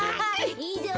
いいぞ！